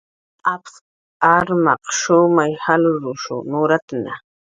Apsaq armaq shumay jalrus nuratna